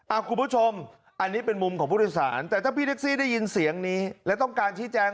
คุณผู้ชมอันนี้เป็นมุมของผู้โดยสารแต่ถ้าพี่แท็กซี่ได้ยินเสียงนี้และต้องการชี้แจง